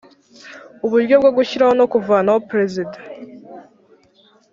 Uburyo bwo gushyiraho no kuvanaho Perezida